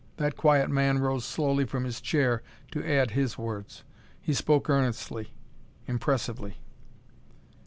That quiet man rose slowly from his chair to add his words. He spoke earnestly, impressively.